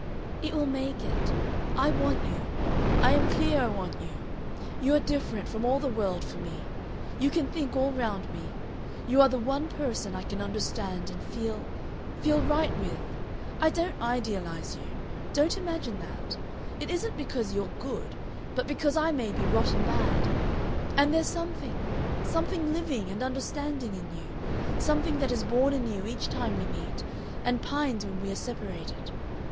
"It will make it. I want you. I am clear I want you. You are different from all the world for me. You can think all round me. You are the one person I can understand and feel feel right with. I don't idealize you. Don't imagine that. It isn't because you're good, but because I may be rotten bad; and there's something something living and understanding in you. Something that is born anew each time we meet, and pines when we are separated.